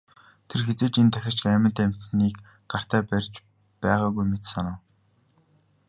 Тэр хэзээ ч энэ тахиа шигээ амьд амьтныг гартаа барьж байгаагүй мэт санав.